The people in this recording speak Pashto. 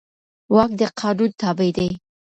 واک د قانون تابع دی.